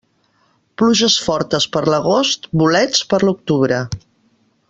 Pluges fortes per l'agost, bolets per l'octubre.